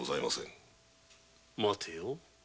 待てよ